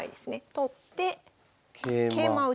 取って桂馬を桂馬。